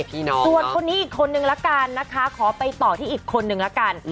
ส่วนคนนี้อีกคนนึงละกันนะคะขอไปต่อที่อีกคนนึงละกัน